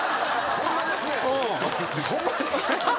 ホンマですね。